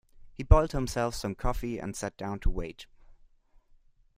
He boiled himself some coffee and sat down to wait.